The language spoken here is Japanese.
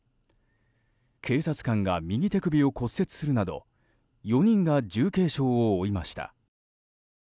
警察官が右手首を骨折するなど４人が重軽傷を負いました。